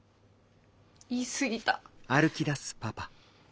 言い過ぎた。